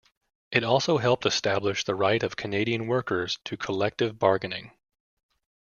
It also helped establish the right of Canadian workers to collective bargaining.